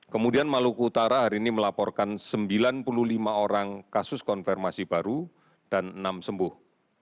kemudian maluku utara hari ini melaporkan sembilan puluh lima orang kasus konfirmasi baru dan enam sembuh